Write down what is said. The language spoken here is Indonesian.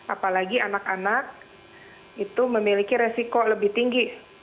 apalagi anak anak itu memiliki resiko lebih tinggi